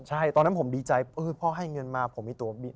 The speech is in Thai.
ใช่ตอนนั้นผมดีใจพ่อให้เงินมาผมมีตัวบิน